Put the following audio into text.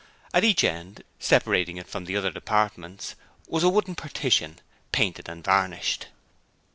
At each end, separating it from the other departments, was a wooden partition, painted and varnished.